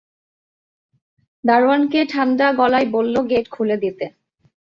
দারোয়ানকে ঠাণ্ডা গলায় বলল গেট খুলে দিতে।